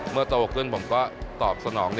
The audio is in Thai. เมื่อโตขึ้นผมก็ตอบสนอง